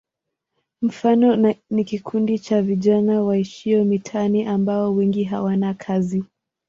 Mfano ni kikundi cha vijana waishio mitaani ambao wengi hawana kazi.